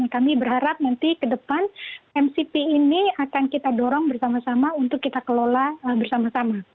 kami berharap nanti ke depan mcp ini akan kita dorong bersama sama untuk kita kelola bersama sama